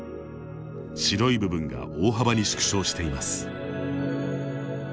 白い部分が大幅に縮小しています。